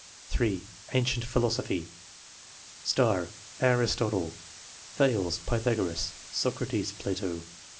3. Ancient philosophy . ARISTOTLE, Thales, Pythagoras, Socrates, Plato.